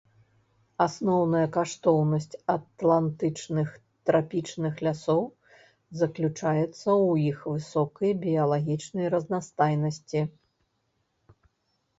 Асноўная каштоўнасць атлантычных трапічных лясоў заключаецца ў іх высокай біялагічнай разнастайнасці.